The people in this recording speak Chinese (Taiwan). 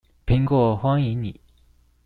蘋果歡迎你